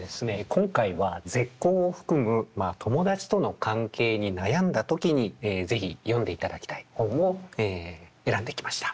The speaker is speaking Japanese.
今回は絶交を含む友達との関係に悩んだ時に是非読んでいただきたい本を選んできました。